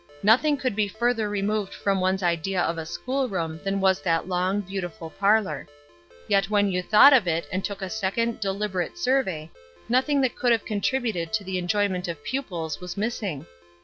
Nothing could be further removed from one's idea of a school room than was that long, beautiful parlor; yet when you thought of it, and took a second, deliberate survey, nothing that could have contributed to the enjoyment of pupils was missing.